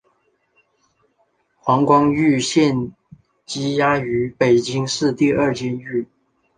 黄光裕现羁押于北京市第二监狱。